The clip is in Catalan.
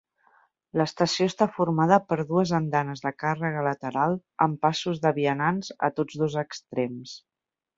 L'estació està formada per dues andanes de càrrega lateral amb passos de vianants a tots dos extrems.